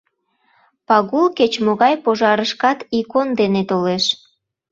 Пагул кеч-могай пожарышкат икон дене толеш.